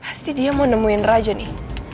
pasti dia mau nemuin raja nih